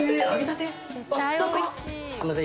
すいません。